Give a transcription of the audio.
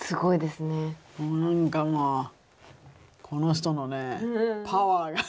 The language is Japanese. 何かこの人のねパワーが。